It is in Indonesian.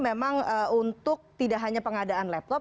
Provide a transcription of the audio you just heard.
memang untuk tidak hanya pengadaan laptop